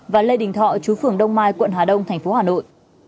và lê đình thọ chú phường đông mai quận hà đông thành phố hà nội